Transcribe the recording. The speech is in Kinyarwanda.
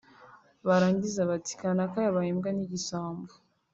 Barangiza bati kanaka yabaye imbwa n’igisambo